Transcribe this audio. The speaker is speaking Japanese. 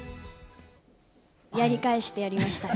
やり返してやりました。